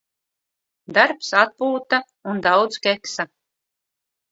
Darbs, atpūta un daudz keksa.